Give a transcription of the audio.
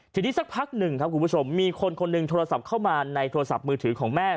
ทีนี้สักพักหนึ่งครับคุณผู้ชมมีคนคนหนึ่งโทรศัพท์เข้ามาในโทรศัพท์มือถือของแม่